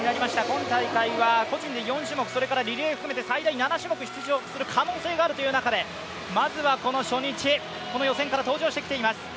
今大会は個人で４種目、そしてリレーも含めて最大７種目出場する可能性があるという中で、まずはこの初日、この予選から登場してきています。